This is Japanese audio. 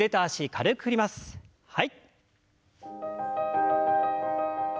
はい。